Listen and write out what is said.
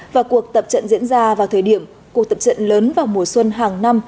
và cuộc tập trận diễn ra vào thời điểm cuộc tập trận lớn vào mùa xuân hàng năm